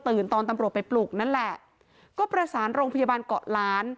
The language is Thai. ตอนตำรวจไปปลุกนั่นแหละก็ประสานโรงพยาบาลเกาะล้าน